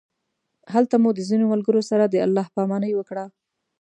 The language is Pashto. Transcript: هلته مو د ځینو ملګرو سره د الله پامانۍ وکړ.